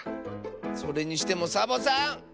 それにしてもサボさん！